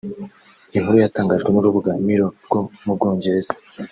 Inkuru yatanganjwe n’urubuga Mirror rwo mu Bwongereza